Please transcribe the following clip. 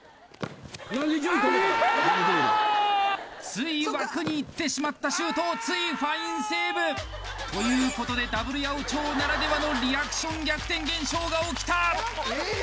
つい枠に行ってしまったシュートをついファインセーブということでダブル八百長ならではのリアクション逆転現象が起きた！